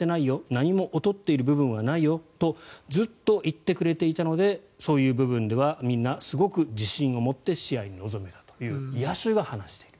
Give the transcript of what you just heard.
何も劣っている部分はないよとずっと言ってくれていたのでそういう部分ではみんなすごく自信を持って試合に臨めたという野手が話している。